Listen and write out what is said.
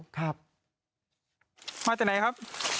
มาที่ไหนครับ